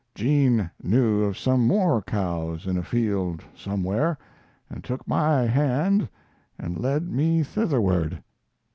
Jean knew of some more cows in a field somewhere, and took my hand and led me thitherward.